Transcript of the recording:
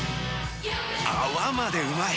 泡までうまい！